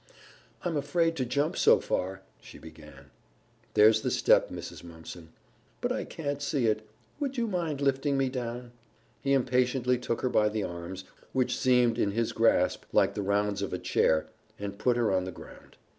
"I'm afraid to jump so far " she began. "There's the step, Mrs. Mumpson." "But I can't see it. Would you mind lifting me down?" He impatiently took her by the arms, which seemed in his grasp like the rounds of a chair, and put her on the ground.